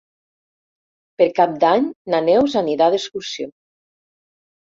Per Cap d'Any na Neus anirà d'excursió.